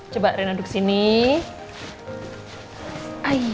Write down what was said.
coba rena duduk sini